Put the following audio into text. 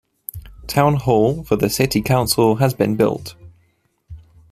Town hall for the city council has been built.